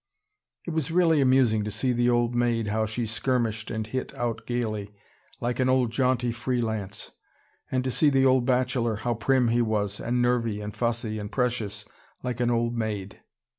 It was really amusing to see the old maid, how she skirmished and hit out gaily, like an old jaunty free lance: and to see the old bachelor, how prim he was, and nervy and fussy and precious, like an old maid.